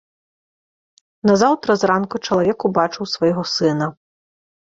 Назаўтра зранку чалавек убачыў свайго сына.